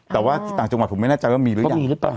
แต่ว่าต่างจังหวัดผมไม่แน่ใจว่ามีหรือยัง